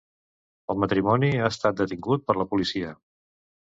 El matrimoni ha estat detingut per la policia.